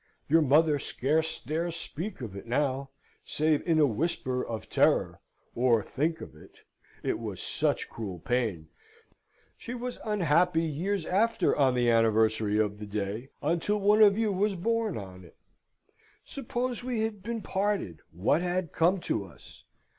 Your mother scarce dares speak of it now, save in a whisper of terror; or think of it it was such cruel pain. She was unhappy years after on the anniversary of the day, until one of you was born on it. Suppose we had been parted: what had come to us?